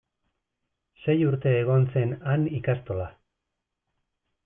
Sei urte egon zen han ikastola.